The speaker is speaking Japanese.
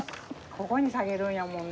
ここに下げるんやもんね。